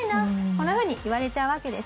こんなふうに言われちゃうわけです。